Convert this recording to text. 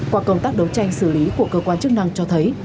qua công tác đấu tranh xử lý của cơ quan chức năng cho thấy